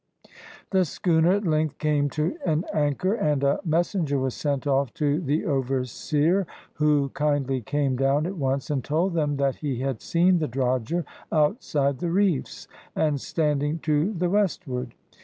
The schooner at length came to an anchor, and a messenger was sent off to the overseer, who kindly came down at once and told them that he had seen the drogher outside the reefs, and standing to the westward.